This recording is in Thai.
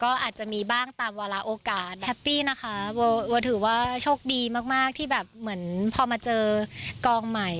ก็อาจจะมีบ้างตามวาระโอกาสแฮปปี้นะคะโบถือว่าโชคดีมากมากที่แบบเหมือนพอมาเจอกองใหม่